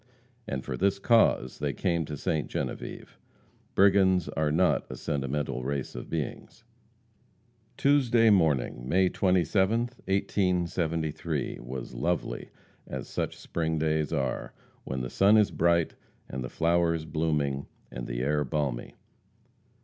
And for this cause they came to Ste. Genevieve. Brigands are not a sentimental race of beings. Tuesday morning, May 27th, 1873, was lovely, as such spring days are, when the sun is bright, and the flowers blooming, and the air balmy.